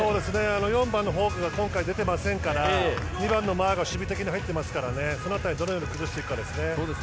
４番のホーグが今回出ていませんから２番のマーが守備的に入ってますからその辺りどのように崩していくかですね。